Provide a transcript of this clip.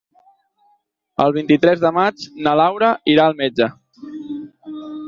El vint-i-tres de maig na Laura irà al metge.